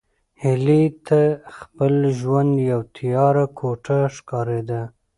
هیلې ته خپل ژوند یوه تیاره کوټه ښکارېده.